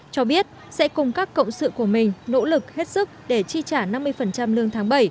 cho biết sẽ cùng các cộng sự của mình nỗ lực hết sức để chi trả năm mươi lương tháng bảy